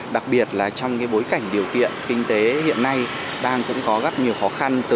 đặc biệt là trong bối cảnh điều kiện kinh tế hiện nay đang cũng có gặp nhiều khó khăn